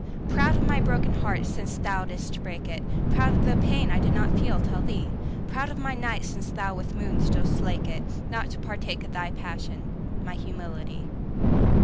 Proud of my broken heart since thou didst break it, Proud of the pain I did not feel till thee, Proud of my night since thou with moons dost slake it, Not to partake thy passion, my humility.